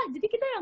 jadi kita yang